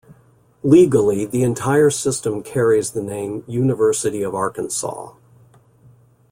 Legally, the entire system carries the name University of Arkansas.